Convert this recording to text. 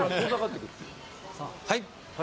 はい。